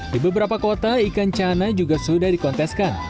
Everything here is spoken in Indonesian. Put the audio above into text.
di beberapa kota ikan cana juga sudah dikonteskan